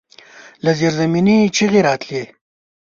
له زيرزمينې چيغې راتلې.